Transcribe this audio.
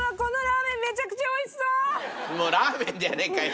もうラーメンじゃねえかよそれ。